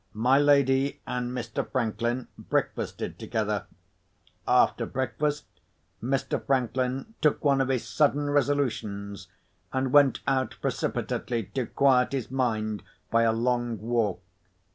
My lady and Mr. Franklin breakfasted together. After breakfast, Mr. Franklin took one of his sudden resolutions, and went out precipitately to quiet his mind by a long walk.